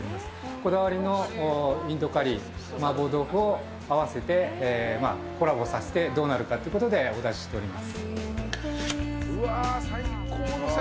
こだわりのインドカリー麻婆豆腐を合わせて、コラボさせてどうなるかということでお出ししております。